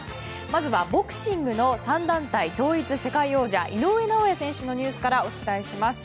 まずはボクシングの３団体統一世界王者井上尚弥選手のニュースからお伝えします。